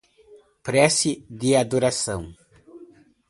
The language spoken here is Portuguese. Preces de adoração